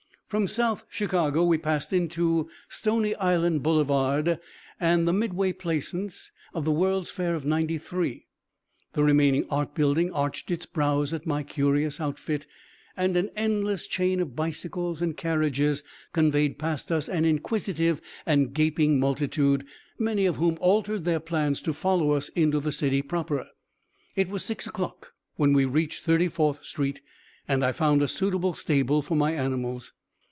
From South Chicago we passed into Stony Island Boulevard and the Midway Plaisance of the World's Fair of '93. The remaining Art building arched its brows at my curious outfit, and an endless chain of bicycles and carriages conveyed past us an inquisitive and gaping multitude, many of whom altered their plans to follow us into the city proper. It was six o'clock when we reached Thirty fourth street and I found a suitable stable for my animals.